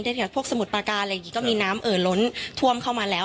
ด้วยกับพวกสมุดปลากาอะไรอย่างนี้ก็มีน้ำเอ่อล้นทวมเข้ามาแล้ว